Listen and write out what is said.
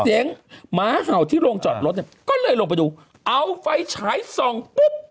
เจ๊งม้าเห่าที่โรงจอดรถเนี่ยก็เลยลงไปดูเอาไฟฉายส่องปุ๊บ